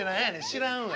知らんわ。